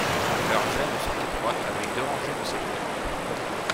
Leurs ailes sont étroites avec deux rangées de cellules.